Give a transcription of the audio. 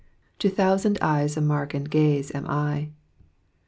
To thousand eyes a mark and gaze am I."